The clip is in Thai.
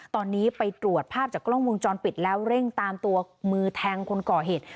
ตอนนี้ไปตรวจภาพจากกล้องวงจรปิดแล้วเร่งตามตัวมือแทงคนก่อเหตุ